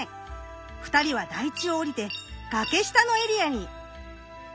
２人は台地をおりて崖下のエリアに。